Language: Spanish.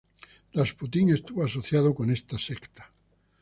Rasputín estuvo asociado con esta secta.